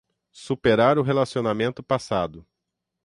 Superar o relacionamento passado